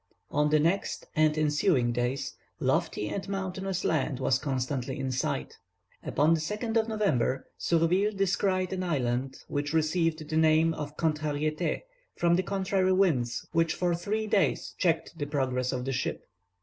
On the next and ensuing days, lofty and mountainous land was constantly in sight. Upon the 2nd of November Surville descried an island, which received the name of Contrariétés, from the contrary winds which for three days checked the progress of the ship.